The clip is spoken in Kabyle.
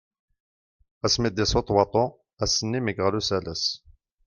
Asmi i d-yessuḍ waḍu, ass-nni mi yeɣli usalas.